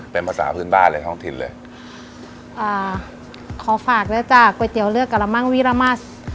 เป็นภาษาพื้นบ้านเลยท้องถิ่นเลยอ่าขอฝากด้วยจากก๋วยเตี๋ยวเลือกกระมังวีรมัส